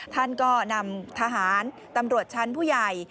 ท่านก็นำทหารตำรวจชั้นผู้ใหญ่